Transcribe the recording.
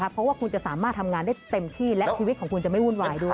เพราะว่าคุณจะสามารถทำงานได้เต็มที่และชีวิตของคุณจะไม่วุ่นวายด้วย